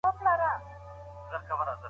زدهکوونکي د ښوونځي د اخلاقو درسونه زده کوي.